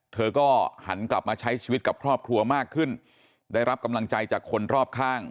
เธอก็หันกลับมาใช้ชีวิตกับครอบครัวมากขึ้นได้รับกำลังใจจากคนรอบข้าง